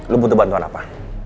lo bantuan apa